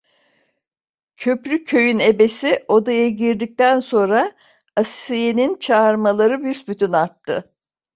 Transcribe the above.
Köprüköy'ün ebesi odaya girdikten sonra Asiye'nin çığırmaları büsbütün arttı.